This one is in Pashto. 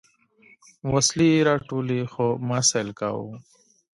وسلې يې راټولولې خو ما سيل کاوه.